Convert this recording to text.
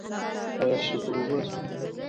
آیا شکر وباسو؟